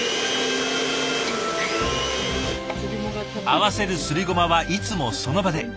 合わせるすりごまはいつもその場で。